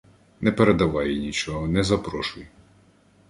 — Не передавай їй нічого, не запрошуй.